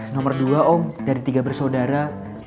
nomor dua om dari tiga bersaudara